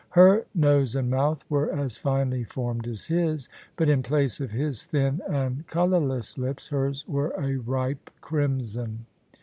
Her nose and mouth were as finely formed as his: but in place of his thin and colour less lips, hers were a ripe crimson.